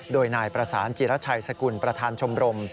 โดยนายประสานจิรัชชัยสกุลประธานชมรม